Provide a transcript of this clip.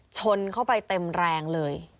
ชนเข้าไปเต็มแรงเลย